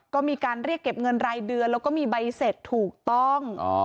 ก็มีการเรียกเก็บเงินรายเดือนแล้วก็มีใบเสร็จถูกต้อง